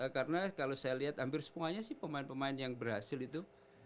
karena kalau saya lihat hampir semuanya sih pemain pemain yang berhasil itu